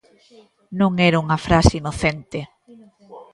Non era unha frase inocente.